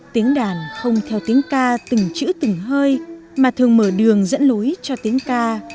tiếng đàn không theo tiếng ca từng chữ từng hơi mà thường mở đường dẫn lối cho tiếng ca